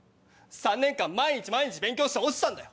３年間毎日毎日勉強して落ちたんだよ。